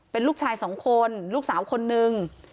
เป็นลูกชายสองคนลูกสาวคนนึง